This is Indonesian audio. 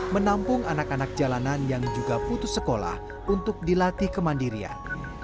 menampung anak anak jalanan yang juga putus sekolah untuk dilatih kemandirian